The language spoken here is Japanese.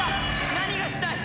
何がしたい？